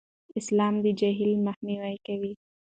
اسلام د جهل مخنیوی کوي.